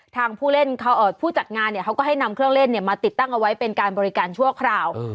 ผู้จัดงานเขาก็ให้นำเครื่องเล่นมาติดตั้งเอาไว้เป็นการบริการชั่วคราว